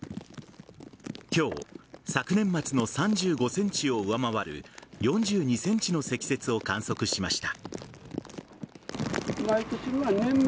今日昨年末の３５ｃｍを上回る４２ｃｍの積雪を観測しました。